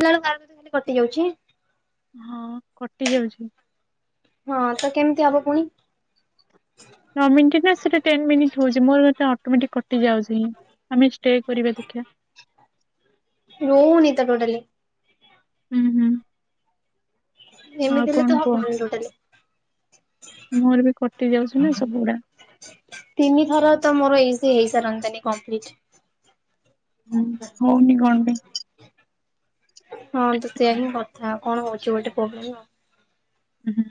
କଲାବେଳୁ କ [unintelligible] ଖାଲି କଟି ଯାଉଛି। ହଁ କଟି ଯାଉଛି। ହଁ ତ କେମିତି ହବ ପୁଣି। ନ ମିିନଟ ନା ସେଇଟା ଟେନ୍ ମିନିଟ୍ ହଉଚି ମୋର ସେଟା ଅଟୋମଟିକ କଟି ଯାଉଛି। ଆମେ ଷ୍ଟେ କରିବା ଦେଖିଆ। ନଉନିିତ ଟୋଟାଲି। ହୁଁ ହୁଁ। ଆଉ ଏମିତି ହେଲେ କଣ ତ କୁହ ହବନି ଟୋଟାଲି। ମୋର ବି କଟି ଯାଉଛି ନା ସବୁଗୁଡା। ତିନି ଥର ତ ମୋର ଏମିତି ହେଇସାରନ୍ତାଣି କମ୍ପ୍ଲିଟ। ହୁଁ ହଉନି କଣ ପାଇଁ। ହଁ ତ ସେଇଆ ହିଁ କଥା କଣ ହଉଛି ଗୋଟେ ପ୍ରୋବ୍ଲେମ ଆଉ। ହୁଁ ହୁଁ।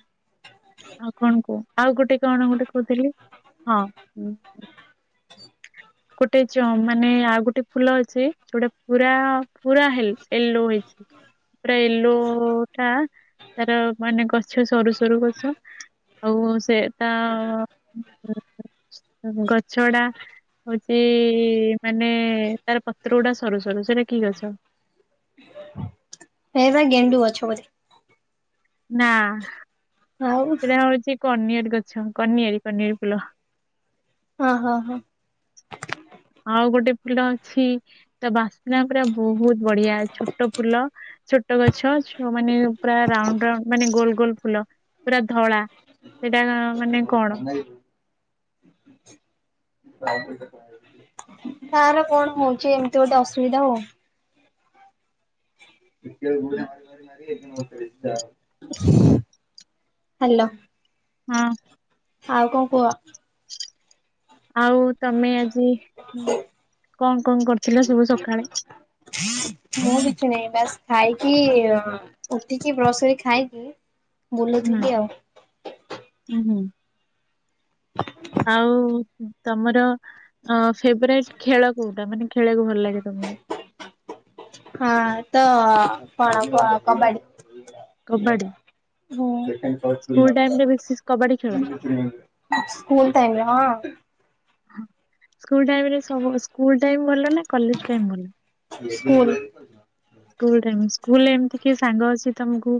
ଆଉ କଣ କୁହ ଆଉ ଗୋଟେ କଣ ଗୋଟେ କହୁଥିଲି ହଁ ଗୋଟେ ଜମ୍ ମାନେ ଆଉ ଗୋଟେ ଫୁଲ ଅଛି ଯୋଉଟା ପୁରା ପୁରା ହେଲ ୟେଲୋ ହେଇଚି ପୁରା ୟଲୋ ଟା ତାର ମାନେ ଗଛ ସରୁ ସରୁ ଗଛ ଆଉ ସେ ତା ଗଛଡ଼ା ହଉଚି ମାନେ ତାର ପତ୍ର ଗୁଡା ସରୁ ସରୁ ସେଟା କି ଗଛ [unintelligible] ହେ ବା ଗେଣ୍ଡୁ ଅଛ ବୋଧେ ନାଁ ଆଉ ସେଟା ହଉଚି କନିଅରି ଗଛ କନିଆରି କନିଆରି ଫୁଲ। ହଁ-ହ-ହ। ଆଉ ଗୋଟେ ଫୁଲ ଅଛି ତା ବାସ୍ନା ପୁରା ବହୁତ୍ ବଢିଆ ଛୋଟ ଫୁଲ। ଛୋଟ ଗଛ ମାନେ ପୁରା ରାଉଣ୍ଡ-ରାଉଣ୍ଡ ମାନେ ଗୋଲ୍-ଗୋଲ୍ ଫୁଲ ପୁରା ଧଳା ସେଟା [unintelligible] [inaudible] ତାର କଣ ହଉଚି ଏମ୍ତି ଗୋଟେ ଅସୁବିଧା ହଉ ହାଲୋ। ହଁ। ଆଉ କଣ କୁହ? ଆଉ ତମେ ଆଜି କଣ-କଣ କରୁଥିଲ ସବୁ ସକାଳେ? ମୁଁ କିଛି ନାହିଁ, ବାସ୍ ଖାଇକି ଉଠିକି ବ୍ରସ୍ କରିକି ଖାଇକି ବୁଲୁଥିଲି ଆଉ। ହୁଁ-ହୁଁ। ଆଉ ତମର ଅ ଫେବରାଇଟ୍ ଖେଳ କୋଉଟା ମାନେ ଖେଳିଆକୁ ଭଲ ଲାଗେ ତମୁକୁ? ହଁ ତ କଣ କବାଡି। କବାଡି ହୁଁ। ସ୍କୁଲ ଟାଇମ ରେ ବେଶୀ କବାଡି ଖେଳ ସ୍କୁଲ ଟାଇମ୍ ରେ ହଁ। ସ୍କୁଲ ଟାଇମ୍ ରେ ସବୁ ସ୍କୁଲ ଟାଇମ୍ ଭଲ ନା କଲେଜ୍ ଟାଇମ୍ ଭଲ? ସ୍କୁଲ୍। ସ୍କୁଲ୍ ଟାଇମ୍, ସ୍କୁଲରେ ଏମ୍ତି କିଏ ସାଙ୍ଗ ଅଛି ତମୁକୁ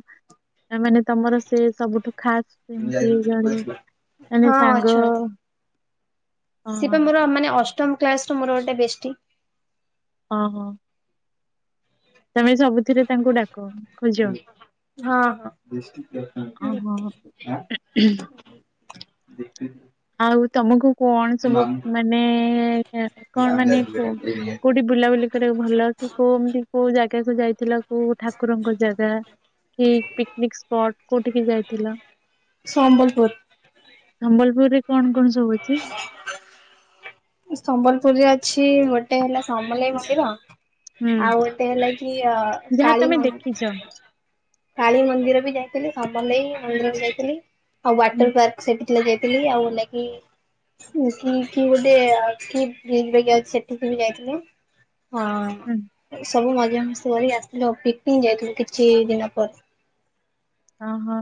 ମାନେ ତମର ସେ ସବୁଠୁ ଖାସ୍ ସେମ୍ତି ଜଣେ ମାନେ ହଁ ସାଙ୍ଗ ହଁ ସେ ପା ମୋର ମାନେ ଅଷ୍ଟମ୍ କ୍ଲାସ୍ ରୁ ମୋର ଗୋଟେ ବେଷ୍ଟୀ। ହଁ-ହଁ। ତମେ ସବୁଥିରେ ତାଙ୍କୁ ଡାକ ଖୋଜ ହଁ ହଁ। ଓହୋ। ହୁଁ [unintelligible] ଆଉ ତମକୁ କଣ ସବୁ ମାନେ କଣ ମାନେ କୋଉଠି ବୁଲାବୁଲି କରିବାକୁ ଭଲ କି କୋଉମ୍ତି ଜାଗାକୁ ଯାଇଥିଲ କୋଉ ଠାକୁରଙ୍କ ଜାଗା କି ପିକନିକ୍ ସ୍ପଟ୍ କୋଉଠିକି ଯାଇଥିଲ? ସମ୍ବଲପୁର୍। ସମ୍ବଲପୁରରେ କଣ-କଣ ସବୁ ଅଛି? ସମ୍ବଲପୁରରେ ଅଛି ଗୋଟେ ହେଲା ସମଲେଇ ମନ୍ଦିର ହୁଁ ଆଉ ଗୋଟେ ହେଲାକି ଅ ଯାହା କାଳୀ ତମେ ମ ଦେଖିଛ କାଳୀ ମନ୍ଦିର ବି ଯାଇଥିଲି ସମଲେଇ ମନ୍ଦିରକୁ ଯାଇଥିଲି ଆଉ ହୁଁ ୱାଟର୍ ପାର୍କ ସେଠି ଥିଲା ଯାଇଥିଲି, ଆଉ [unintelligible] କି-କି ଗୋଟେ କି ଅଛି [unintelligible] ସେଠିକି ବି ଯାଇଥିଲୁ। ହଁ। ହୁଁ। ସବୁ ମଜା ମସ୍ତି କରିକି ଆସିଥିଲୁ ଆଉ ପିକନିକ୍ ଯାଇଥିଲୁ କିଛି ଦିନ ପରେ। ଅ ହଁ।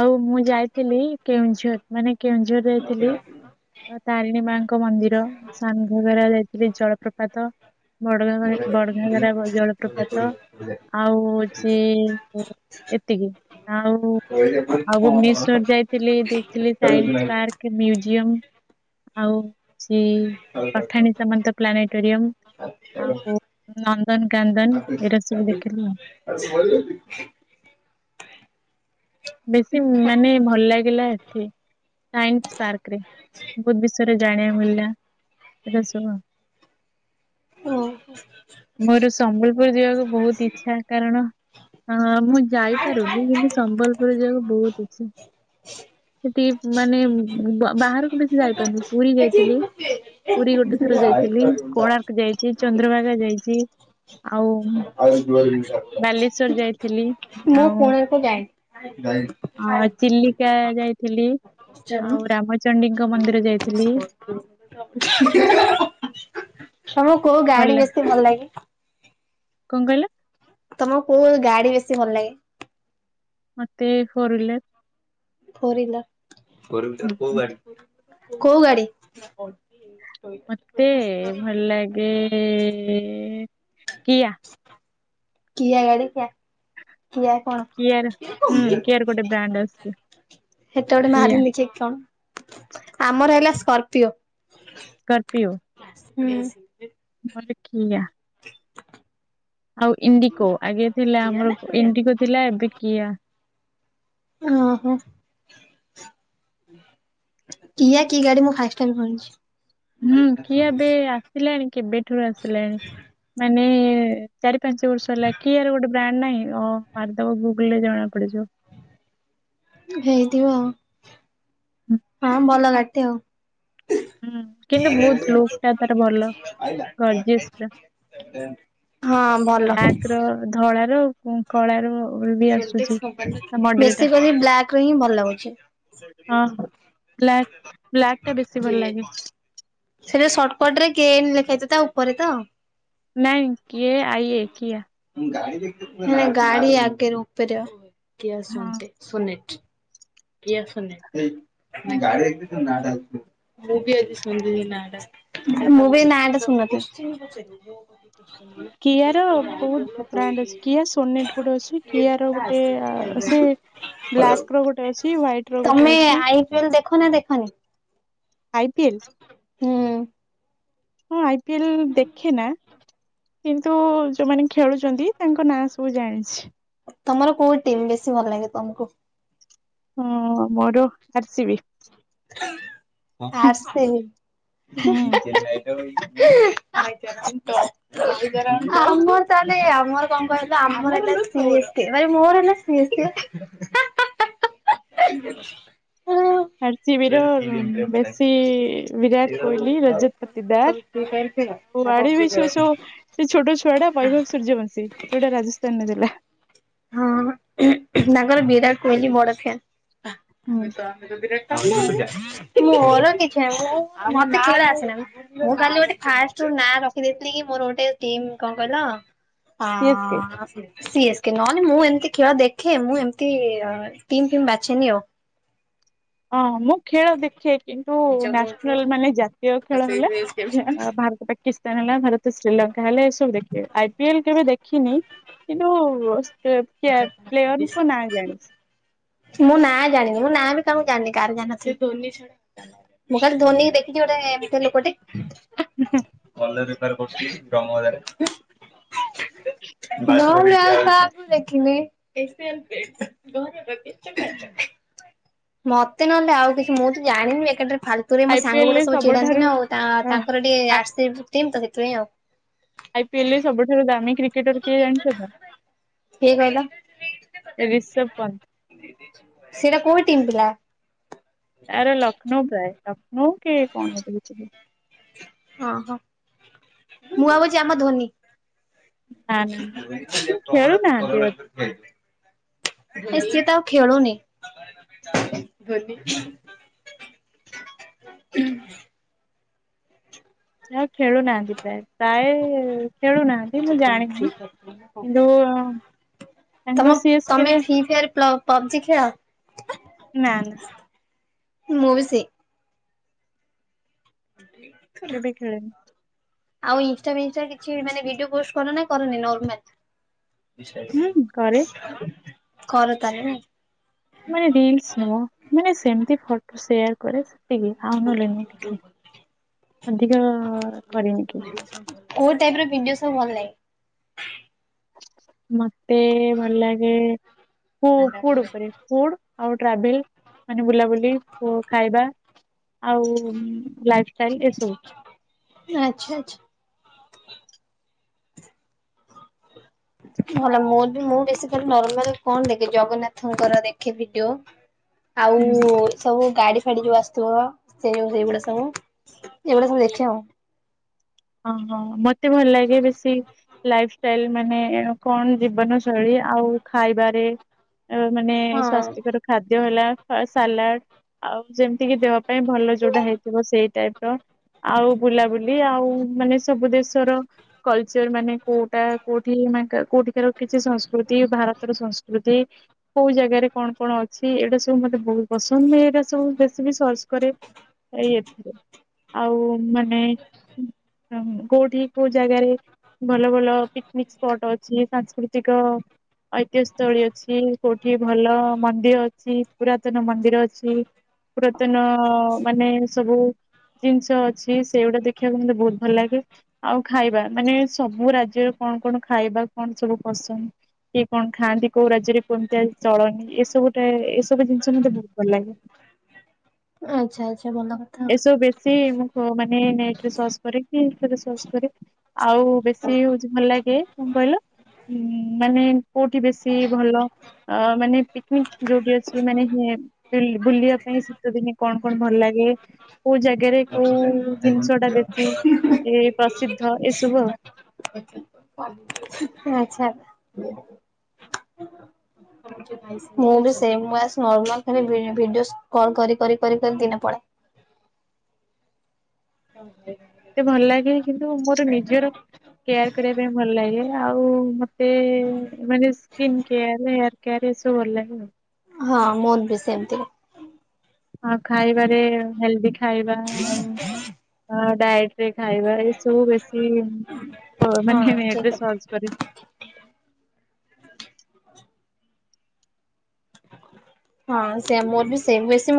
ଆଉ ମୁଁ ଯାଇଥିଲି କେଉଁଝର, ମାନେ କେଉଁଝର ଯାଇଥିଲି ତାରିଣୀ ମାଙ୍କ ମନ୍ଦିର ସାନଘଗରା ଯାଇଥିଲି ଜଳପ୍ରପାତ ବଡଗା ବଡଘାଗରା ଜଳପ୍ରପାତ। ଆଉ ଅଛି ଏତିକି ଆଉ। ହ [unintelligible] ଆଉ ଭୁବନେଶ୍୍ୱଵର ଯାଇଥିଲି ଦେଖଥିଲି ସାଇନ୍ସ ପାର୍କ ମୁଜିୟମ ଆଉ। ହଉଛି ପଠାଣି ସାମନ୍ତ ପ୍ଲାନେଟୋରିୟମ୍। ଆଉ ନନ୍ଦନ କାନ୍ଦନ ଏରା ସବୁ ଦେଖିଲା ଆଉ। ଆ ଭ [unintelligible] ବେଶୀ ମାନେ ଭଲ ଲାଗିଲା ଏଠି। ସାଇନ୍ସ ପାର୍କ ରେ ବହୁତ ବିଷୟରେ ଜାଣିବା ମିଳିଲା ସେଟ ସ [inaudible] ଓହୋ। ମୋର ସମ୍ବଲପୁର ଯିବାକୁ ବହୁତ ଇଛା କାରଣ ମୁଁ। ଯାଇପାରୁନି କିନ୍ତୁ ସମ୍ବଲପୁର ଯିବାକୁ ବହୁତ ଇଚ୍ଛା। ସେଠି ମାନେ ବାହାରକୁ ବେଶି ଯାଇପାରୁନି ପୁରୀ ଯାଇଥିଲି। ପୁରୀ ଗୋଟେ ଥର ଯାଇଥିଲି କୋଣାର୍କ ଯାଇଛି ଚନ୍ଦ୍ରଭାଗା ଯାଇଛି ଆଉ। ମୁଁ ବାଲେଶ୍ଵର ଯାଇଥିଲି କୋଣାର୍କ ଯାଇନି। ହଁ ଚିଲିକା ଯାଇଥିଲି ଆଉ ରାମଚଣ୍ଡୀଙ୍କ ମନ୍ଦିର ଯାଇଥିଲି। ସବୁ କୋହୁ ଗାଡି ବେଶୀ ଭଲ ଲାଗେ। କଣ କହିଲା? ତମ କୋଉ ଗାଡି ବେଶୀ ଭଲ ଲାଗେ? ମତେ କରିଲେ। କୋଉ ହୁଁ ଗାଡ଼ି। ମତେ ଭଲ ଲାଗେ କିଆ। କିଆ ଗାଡ଼ିଟା କିଆ କଣ? କିଆର ହୁଁ କିଆର ଗୋଟେ ବ୍ରାଣ୍ଡ ଆସୁଛି ସେତେବେଟେ କିଆ ମହାରିନି କି କଣ। ଆମର ହେଲା ସ୍କର୍ପିଓ। ସ୍କର୍ପିଓ। ହୁଁ। ମତେକିଆ। [inaudible] ଆଉ ଇଣ୍ଡିିକୋ ଆଗ ଥିଲା ଆମର ଇଣ୍ଡିିକୋ ଥିଲା ଏବେ କିଆ। ହଁ ହଁ। କିଆକି ଗାଡି ମୁଁ ଫାଇଷ୍ଟ କହିଛି। ହୁଁ କିଆଏବେ ଆସିଲାଣି କେବେଠାରୁ ଆସିଲାଣି ମାନେ ଚାରି ପାଞ୍ଚ ବର୍ଷ ହେଲା କି ଗୋଟେ ବ୍ରାଣ୍ଡ ନାହିଁ ମାରିଦବ ଗୁଗୁଲ ରେ ଜଣା ପଡିଯିବ। ହେଇଥିବ ଆଉ। ହୁଁ [unintelligible] ହଁ ଭଲଗାଡିଟେଆଉ। ହୁଁ। କିନ୍ତୁ ବହୁତ ଲୁକ୍ ଟା ତାର ଭଲ ଆଲା ଗର୍ଜିଅସ୍ ପୁରା [unintelligible] ହଁ ଭଲ। ବ୍ଲାକ୍ ର ଧଳାର ଆଉ କଣ। କଳାବି ଆସୁଛି ତାମଡେଲା ଟା। ବେଶୀ କରି ବ୍ଲାକ ର ହିଁ ଭଲ ଲାଗୁଛି। ହ ହ ବ୍ଲକ୍ ଟା ବେଶ ସେଟା ସର୍ଟକଟ ରେ କେ ଏନଲେଖାହୋଇଥିବା ଉପରେ ତ ନାଇଁ କେଆଇଏ କିଆ। ଗାଡିଆଗ ହଁ ଉପରେକିଆଶୁନିଟି। କିଏ ଶୁଣୁନି ଏଇ ବାଡ଼େଇ ବି ତୋ ନାଁ ଟା ଆଗେ କହ ମୁଁ ବି ଆଜି ଶୁଣିଲି ନାଁ ଟା। ଭଲ ମୁଁ ବି ଏ ନାଁ ଟା ଶୁଣିଥିଲି। କିଆର ବହୁତ ବ୍ରାଣ୍ଡ୍ ଅଛି କିଆ ସୋନେଟ୍ ଗୋଟେ ଅଛି କିଆର ଗୋଟେ ଆ ସେ ବ୍ଲାକ୍ ର ଗୋ ତମେ ଆଇ ପି ଏଲ ଦେଖ ନାଁ ଦେଖନି? ଆଇ ପି ଏଲ ହୁଁ। ହଁ ଆଇ ପି ଏଲ ଦେଖେ ନା। କିନ୍ତୁ ଯୋଉମାନେ ଖେଳୁଛନ୍ତି ତାଙ୍କ ନାଁ ସବୁ ଜାଣିଛି। ତମର କୋଉ ଟିମ୍ ବେଶୀ ଭଲ ଲାଗେ ତମକୁ? ହୁଁ ମୋ ମୋର ଆର ସି ବି। ହଁ ଆର ସି ବି ହେ ହେ ହେ। ହୁଁ ଆଜ୍ଞା [inaudible] [inaudible] ଆମର ତାହେଲେ ଆମର କଣ କହିଲ ଆମର ଏବେ ଥ୍ରୀ ବି ଏଚ୍ କେ ମାନେ ମୋର ହେଲା ଥ୍ରୀ ବିଚ୍ ଏ କେ ହା ହା ହା ହା ହା ହେ। ଆର ସି ବି ର ବେଶୀ ବିରାଟ କୋହିଲି ରଜତ୍ ପତି ଦାସ ଆଉ ଆଡେ ବି ସେ ସବୁ ସେ ଛୋଟ ଛୁଆ ଟା ବୈଭବ ସୂର୍ଯ୍ୟବଂଶୀ ସେଇଟା ରାଜସ୍ଥାନରେ ଦେଲା। ହଁ ବା ତାଙ୍କର ବିରାଟ କୋହିଲି ବଡ ଫ୍ୟାନ୍ ହୁଁ ହଁ ଆଉ [inaudible] ମୋର କିଛି ନାହିଁ ମୁଁ ମତେ ଖେଳ ଆସେନା। ମୁଁ ଖାଲି ଗୋଟେ ଫାଷ୍ଟ୍ ନାଁ ରଖିଦେଇଥିଲି କି ମୋର ଗୋଟେ ଟିମ୍ କଣ କହିଲ ସିଏସକେ ହଁ ସି ଏସ୍ ସି ଏସ୍। ଦେଖେ ନହେଲେ ନାଇଁ ମୁଁ ଏମିତି ଖେଳ ଦେଖେ ମୁଁ ଏମତି ଟିମ୍ ଫିମ୍ ବାଛେନି ଆଉ। ହଁ ମୁଁ ଖେଳ ଦେଖେ କିନ୍ତୁ ନ୍ୟାସନାଲ୍ ମାନେ ଜାତୀୟ ଖେଳ ହେଲା ଅ ଭାରତ ପା କିସ୍ତାନ ହେଲା ଭାରତ ଶ୍ରୀଲଙ୍କା ହେଲେ ଏ ସବୁ ଦେଖେ ଆଇ ପି ଏଲ କେବେ ଦେଖିନି କିନ୍ତୁ ସ ବୁ ପ୍ଲେୟାର ପ୍ଲେୟାରଙ୍କ ନାଁ ଜାଣିଛି। ମୁଁ ନାଁ ଜାଣିନି ମୁଁ ନାଁ ବି କାହାକୁ ଜାଣିନି କାହାର ଜାଣିନଥିଲି ଧୋନି ଛଡା। ମୁଁ ଖାଲି ଧୋନି କି ଦେଖିଛି ଗୋଟେ ଏମିତି ଲୋକଟେ କଲେଜ୍ ତାର ବସିକି [inaudible] ମୁଁ ଦେଖିନି [inaudible] ମତେ ନହେଲେ ଆଉ କିଛି ମୁଁ ତ ଜାଣିନି ବେକାର ଟାରେ ଫାଲ ତୁ ବି ମୋ ଆଇପିଏଲ ସାଙ୍ଗ ରେ ଗୁଡା ସବୁ ଚିଡାନ୍ତି ସବୁଠାରୁ ନା ଆଉ ତା ହଁ ତାଙ୍କର ଟିକେ ଆ ଆର ସି ବି ଟିମ୍ ତ ସେଥିପାଇଁ ଆଉ। ଆଇ ପି ଏଲ ରେ ସବୁଠାରୁ ଦାମୀ କ୍ରିକେଟର କିଏ ଜାଣିଛ ନା କିଏ କହିଲ ରିଷଭ ପନ୍ତୀ। ସେଇଟା କୋଉ ଟିମ୍ ପିଲା? ଆରେ ଲକ୍ଷ୍ନୌ ପ୍ରାୟ ଲକ୍ଷ୍ନୌ କି କଣ ଗୋଟେ ହେଇଥିବ। ଓ ହୋ ମୁଁ ଭାବୁଛି ଆମ ଧୋନି। ନା ନା ସେ [inaudible] ତମର ତ ଖେଳୁନାହାନ୍ତି ସବୁବେଳେ ବୋଧେ। ଖାଲି ଧୋନି। ହେଇ ହେ ସେଇଟା ଆଉ ଖେଳୁନି। [inaudible] ଧୋନି ହୁଁ। ନାଁ ଆଉ ଖେଳୁନାହାନ୍ତି ପ୍ରାୟେ ପ୍ରାୟେ ଖେଳୁନାହାନ୍ତି ମୁଁ ଜାଣିନି। ମାନେ ହଉଛି ସେଇଆ। ସାଙ୍ଗ ସିଏ ସେଥିରେ ଇନକ୍ୟୁରି ପ୍ଲ ପପଜି ଖେଳ। ନା ନା। ମୁଁ ବି ସେ ଠିକ୍। କେବେ ଖେଳେନି। ଆଉ ଇନଷ୍ଟା ଫିଷ୍ଟା କିଛି ବି ମାନେ ଭିଡିଓ ପୋଷ୍ଟ କର ନା କରନି ନର୍ମାଲ। ହୁଁ କରେ କର ତାହେଲେ ନାଇଁ। ମାନେ ରିଲସ ନୁଅ ମାନେ ସେମତି ଫଟୋ ସେୟାର କରେ। ତିକି ଆଉ ନହେଲେ ନୁ କିଛି ଅଧିକ କରିନି କ୍ୟୁସି। କୋଉ ଟାଇପିର ଭିଡିଓ ସବୁ ଭଲ ଲାଗେ? ମତେ ଭଲ ଲାଗେ ଫୁ-ଫୁଡ୍ ଉପରେ। ଫୁଡ୍ ଆଉ ଟ୍ରାଭେଲ ମାନେ ବୁଲାବୁଲି ଓ ଖାଇବା। ଆଉ ଲାଇଫ୍ ଷ୍ଟାଇଲ୍ ଏସବୁ। ଆଚ୍ଛା ଆଚ୍ଛା। ଭଲ ମୋର ବି ମୁଁ ବେଶୀ ଖାଲି ନର୍ମାଲ କଣ ଦେଖେ ଜଗନ୍ନାଥଙ୍କର ଦେଖେ ଭିଡିଓ। ଆଉ। ହୁଁ। ସବୁ ଗାଡି ଫାଡି ଯୋଉ ଆସିଥିବ ସେ ଯୋଉ ସେଇଗୁଡା ସବୁ ଏଇଗୁଡା ସବୁ ଦେଖେ ଆଉ। ଅ ହଁ ମତେ ଭଲ ଲାଗେ ବେଶୀ ଲାଇଫ ଷ୍ଟାଇଲ ମାନେ କଣ ଜୀବନ ଶୈଳୀ ଆଉ ଖାଇବାରେ। ଆଉ ମାନେ ହଁ ସ୍ଵାସ୍ଥ୍ୟକର ଖାଦ୍ୟ ହେଲା। ଆ ସାଲାଟ୍ ଆଉ ଯେମତି କି ଦେହ ପାଇଁ ଭଲ ଯୋଉଟା ହେଇଥିବ ସେଇ ଟାଇପିର। ଆଉ ବୁଲାବୁଲି ଆଉ ମାନେ ସବୁ ଦେଶର କଲଚର ମାନେ କୋଉଟା କୋଉଠି ମା ଙ୍କ କୋଉଠିିକାର କିଛି ସଂସ୍କୃତି ଭାରତର ସଂସ୍କୃତି। କୋଉ ଜାଗାରେ କଣ କଣ ଅଛି ଏଗୁଡା ସବୁ ମତେ ବହୁତ ପସନ୍ଦ ମୁଁ ଏଇରା ସବୁ ବେଶି ବି ସର୍ଚ୍ଚ କରେ। ଏଇ ଏଥିରେ ଆଉ ମାନେ ହୁଁ କୋଉଠି କୋଉ ଜାଗାରେ? ଭଲ ଭଲ ପିକନିକ୍ ସ୍ପଟ ଅଛି ସାଂସ୍କୃତିକ- ଐତିହ ସ୍ଥଳୀ ଅଛି କୋଉଠି ଭଲ ମନ୍ଦିର ଅଛି ପୁରାତନ ମନ୍ଦିର ଅଛି। ପୁରାତନ ମାନେ ସବୁ ଜିନିଷ ଅଛି ସେଗୁଡା ଦେଖିଆକୁ ମତେ ବହୁତ ଭଲ ଲାଗେ ଆଉ ଖାଇବା ମାନେ ସବୁ ରାଜ୍ୟର କଣ କଣ ଖାଇବା କଣ ସବୁ ପସନ୍ଦ। କିଏ କଣ ଖାଆନ୍ତି କୋଉ ରାଜ୍ୟରେ କେମତିଆ ଚଳନି ଏସବୁ ଟାଏ ଏସବୁ ଜିନିଷ ମତେ ବହୁତ ଭଲ ଲାଗେ। ଆଚ୍ଛା ଆଚ୍ଛା ଭଲ କଥା। ସୋ ବେଶୀ ମୁଁ କ ମାନେ ନେଟ୍ ରେ ସର୍ଚ୍ଚ କରେ କି ଏଥିରେ ସର୍ଚ୍ଚ କରେ। ଅଉ ବେଶୀ ହଉଚି ଭଲ ଲାଗେ କଣ କହିଲ? ହୁଁ ମାନେ କୋଉଠି ବେଶୀ ଭଲ। ଅ ମାନେ ପିକନିକ୍ ଯୋଉଠି ଅଛି ମାନେ ହେ ବୁଲ୍-ବୁଲିଆ ପାଇଁ ଶୀତ ଦିନେ କଣ କଣ ଭଲ ଲାଗେ? କୋଉ ଜାଗାରେ କୋଉ ଜିନିଷ ଟା ବେଶୀ ଏ ପ୍ରସିଦ୍ଧ ଏସବୁ ଆଉ। ହଉ ଠିକ୍ ଅଛି। ଆଚ୍ଛା। ମୁଁ ବି ସେଇ ବାସ୍ ନର୍ମାଲ୍ ଖାଲି ଭି-ଭିଡିଓସ୍ କଲ୍ କରି କରି କରି କରି ଦିନ ପଳାଏ। [unintelligible] ତେ ଭଲ ଲାଗେ କିନ୍ତୁ ମୋର ନିଜର କେୟାର୍ କରିବା ପାଇଁ ଭଲ ଲାଗେ ଆଉ ମତେ ମାନେ ସ୍କିନ କେୟାର ହେୟାର କେୟାର ଏସବୁ ଭଲ ଲାଗେ ଆଉ। ହଁ ମୋର୍ ବି ସେମିତି। ଆଉ ଖାଇବାରେ ହେଲ୍ଦି ଖାଇବା। ହଁ [unintelligible] ହଁ ଡାଇଟ୍ ରେ ଖାଇବା ଏସବୁ ବେଶୀ ହଁ ମାନେ ଏବେ ସର୍ଚ କରିବି। ହଁ ସେମ୍ ମୋର୍ ବି ସେମ୍ ବେଶୀ ମୁ